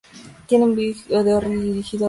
Tiene un video dirigido por Roman Coppola.